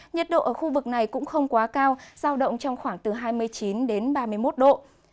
nhiệt độ ở khu vực này cũng không quá cao giao động trong khoảng từ hai mươi chín đến ba mươi một độ